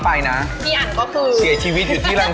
ตายได้เลยเหมือนกัน